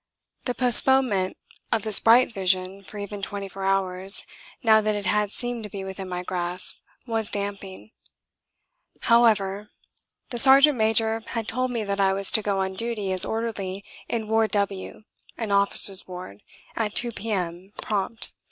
The postponement of this bright vision for even twenty four hours, now that it had seemed to be within my grasp, was damping. However ! The Sergeant Major had told me that I was to go on duty as orderly in Ward W an officers' ward at 2 p.m. prompt.